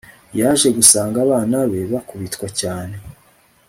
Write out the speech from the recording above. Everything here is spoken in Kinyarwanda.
yaje gusanga abana be bakubitwa cyane